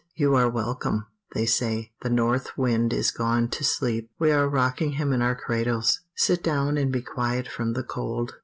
"You are welcome," they say; "the north wind is gone to sleep; we are rocking him in our cradles. Sit down and be quiet from the cold."